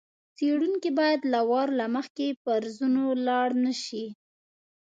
څېړونکی باید له وار له مخکې فرضونو لاړ نه شي.